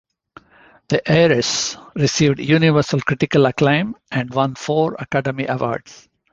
"The Heiress" received universal critical acclaim and won four Academy Awards.